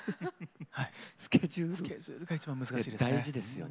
スケジュールがいちばん難しいですね。